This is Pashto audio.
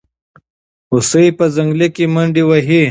هوسۍ په ځنګل کې منډې وهي.